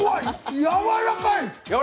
やわらかい！